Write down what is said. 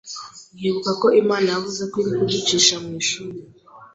nkibukako Imana yavuze ko iri kuducisha mu ishuri,